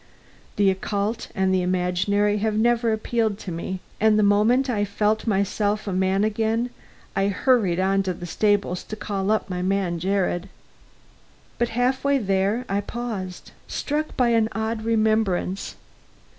The occult and the imaginary have never appealed to me, and the moment I felt myself a man again, I hurried on to the stables to call up my man Jared. But half way there I paused, struck by an odd remembrance.